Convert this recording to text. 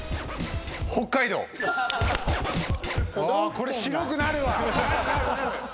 これ白くなるわ！